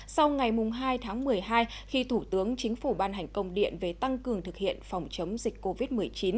sau ngày hai tháng một mươi hai khi thủ tướng chính phủ ban hành công điện về tăng cường thực hiện phòng chống dịch covid một mươi chín